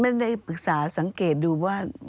ได้ปรึกษาสังเกตดูว่า